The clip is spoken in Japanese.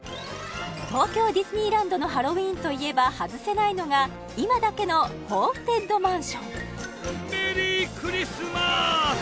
東京ディズニーランドのハロウィーンといえば外せないのが今だけのホーンテッドマンションメリークリスマス！